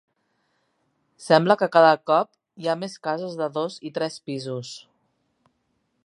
Sembla que cada cop hi ha més cases de dos i tres pisos.